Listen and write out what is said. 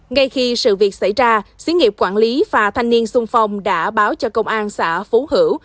ngay khi sự việc xảy ra xứ nghiệp quản lý phà thanh niên sung phong đã báo cho công an xã phú hữu